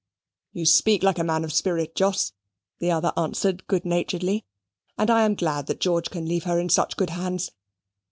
"You speak like a man of spirit, Jos," the other answered good naturedly, "and I am glad that George can leave her in such good hands.